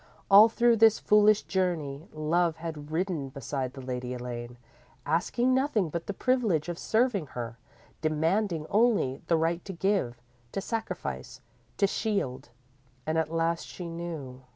_ _All through this foolish journey, Love had ridden beside the Lady Elaine, asking nothing but the privilege of serving her; demanding only the right to give, to sacrifice, to shield. And at last she knew.